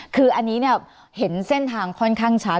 คืออันนี้เห็นเส้นทางค่อนข้างชัด